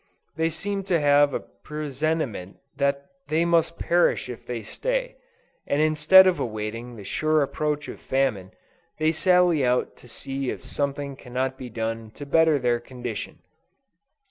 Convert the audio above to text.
They seem to have a presentiment that they must perish if they stay, and instead of awaiting the sure approach of famine, they sally out to see if something cannot be done to better their condition.